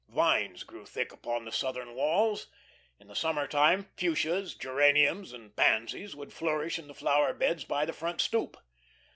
Vines grew thick upon the southern walls; in the summer time fuchsias, geraniums, and pansies would flourish in the flower beds by the front stoop.